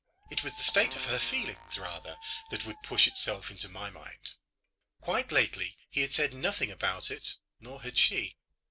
It was the state of her feelings rather that would push itself into my mind. Quite lately he had said nothing about it, nor had she.